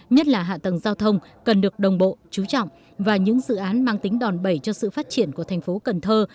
nhất là hạ tầng giao thông cần được đồng bộ chú trọng và những dự án mang tính đòn bẩy cho sự phát triển của thành phố cần thơ